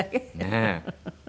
ねえ。